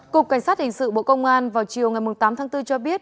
cục cảnh sát hình sự bộ công an vào chiều ngày tám tháng bốn cho biết